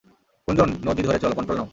গুঞ্জন, নদী ধরে চলো - কন্ট্রোল নাও।